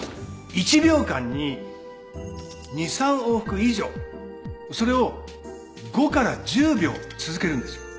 １秒間に２３往復以上それを５から１０秒続けるんですよ。